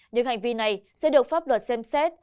những hành vi này sẽ được pháp luật xem xét